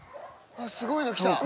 すごいの来た。